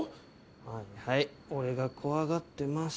はいはい俺が怖がってます。